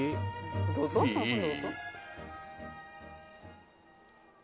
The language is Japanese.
どうぞどうぞいい？